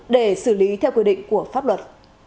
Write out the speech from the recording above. để xử lý theo quy định của pháp luật